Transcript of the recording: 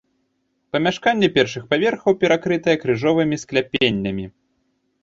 Памяшканні першых паверхаў перакрытыя крыжовымі скляпеннямі.